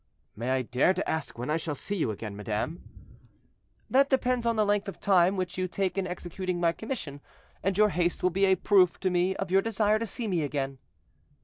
"May I dare to ask when I shall see you again, madame?" "That depends on the length of time which you take in executing my commission, and your haste will be a proof to me of your desire to see me again."